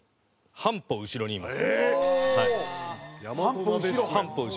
半歩後ろにいます。